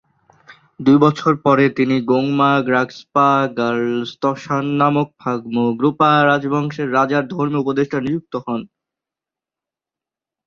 দুই বছর পরে তিনি গোং-মা-গ্রাগ্স-পা-র্গ্যাল-ম্ত্শান নামক ফাগ-মো-গ্রু-পা রাজবংশের রাজার ধর্মীয় উপদেষ্টা নিযুক্ত হন।